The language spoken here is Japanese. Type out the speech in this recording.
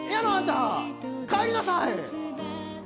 帰りなさい！